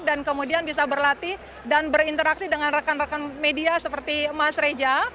dan kemudian bisa berlatih dan berinteraksi dengan rekan rekan media seperti mas reja